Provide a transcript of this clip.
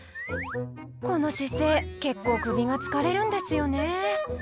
この姿勢結構首が疲れるんですよね。